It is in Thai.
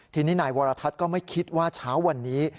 ทีนี้นายวรทัศน์ก็ไม่คิดว่าเช้าวันนี้